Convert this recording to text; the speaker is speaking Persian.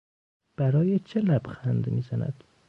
برای چه لبخند میزند؟